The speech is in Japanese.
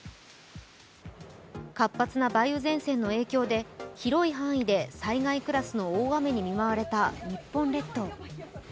活発な梅雨前線の影響で広い範囲で災害クラスの大雨に見舞われた日本列島。